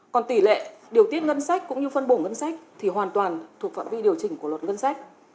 còn tỷ lệ điều tiết ngân sách cũng như phân bổ ngân sách thì hoàn toàn thuộc phạm vi điều chỉnh của luật ngân sách